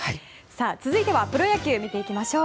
続いてはプロ野球を見ていきましょう。